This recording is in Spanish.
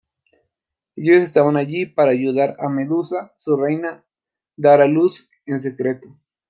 Ellos estaban allí para ayudar a Medusa, su reina, dar a luz en secreto.